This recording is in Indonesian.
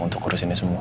untuk urusin ini semua